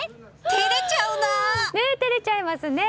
照れちゃいますね。